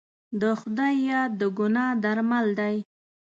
د خدای یاد د ګناه درمل دی.